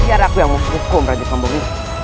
biar aku yang memukul raja pembungi